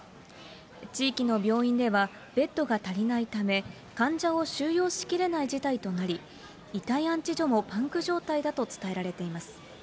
地域の病院では、ベッドが足りないため、患者を収容しきれない事態となり、遺体安置所もパンク状態だと伝えられています。